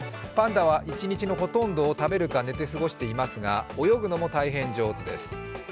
パンダは一日のほとんどを食べるか寝て過ごしていますが、泳ぐのも大変上手です。